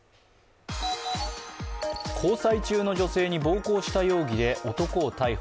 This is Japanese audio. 交際中の女性に暴行した容疑で男を逮捕。